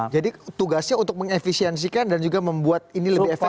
jadi tugasnya untuk mengefisiensikan dan juga membuat ini lebih efektif